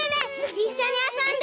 いっしょにあそんで。